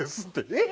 「えっ！」